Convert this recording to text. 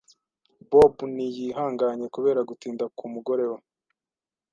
Bob ntiyihanganye kubera gutinda k'umugore we.